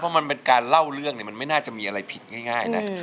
เพราะมันเป็นการเล่าเรื่องมันไม่น่าจะมีอะไรผิดง่ายนะ